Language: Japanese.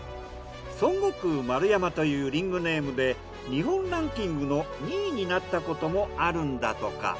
孫悟空丸山というリングネームで日本ランキングの２位になったこともあるんだとか。